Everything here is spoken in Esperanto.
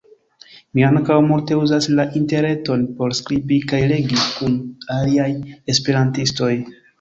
Mi ankaŭ multe uzas la interreton por skribi kaj legi kun aliaj esperantistoj.